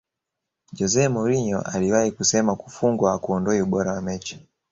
jose mourinho aliwahi kusema kufungwa hakuondoi ubora wa mechi